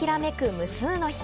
無数の光。